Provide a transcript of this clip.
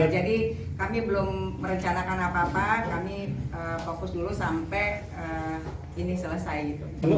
jadi kami belum merencanakan apa apa kami fokus dulu sampai ini selesai